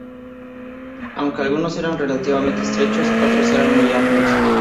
Aunque algunos eran relativamente estrechos, otros era muy amplios.